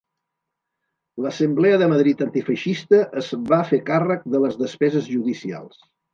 L'assemblea de Madrid Antifeixista es va fer càrrec de les despeses judicials.